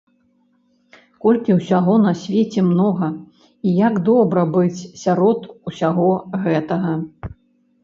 Колькі ўсяго на свеце многа, і як добра быць сярод усяго гэтага.